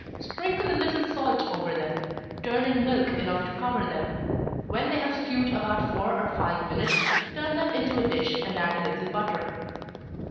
Sprinkle a little salt over them turn in milk enough to cover them. When they have stewed about four or five minutes, turn them into a dish, and add a little butter.